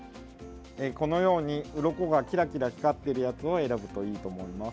このように、うろこがキラキラ光っているものを選ぶといいと思います。